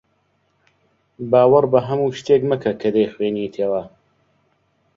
باوەڕ بە هەموو شتێک مەکە کە دەیخوێنیتەوە.